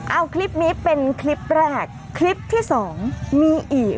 เอาคลิปนี้เป็นคลิปแรกคลิปที่สองมีอีก